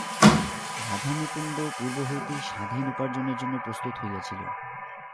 রাধামুকুন্দ পূর্ব হইতেই স্বাধীন উপার্জনের জন্য প্রস্তুত হইয়াছিল।